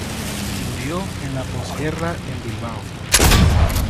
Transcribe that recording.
Murió en la postguerra en Bilbao.